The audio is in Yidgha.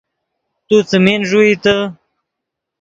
تو څیمین ݱوئیتے